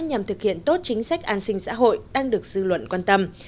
nhằm thực hiện tốt chính sách an sinh xã hội đang được dư luận quan tâm